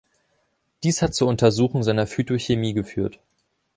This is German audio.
Dies hat zur Untersuchung seiner Phytochemie geführt.